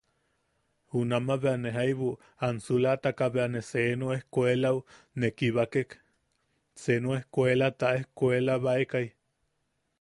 Junama bea ne jaibu ansulataka bea ne senu ejkuelau ne kibakek senu ejkuelata ejkuelabaekai.